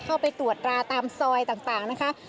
เข้าไปตรวจราตามซอยต่างนะคะ